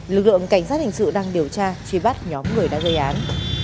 lực lượng cảnh sát hình sự đang điều tra truy bắt nhóm người đã gây án